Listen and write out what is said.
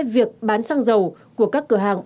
việc bán sang giàu của các cửa hàng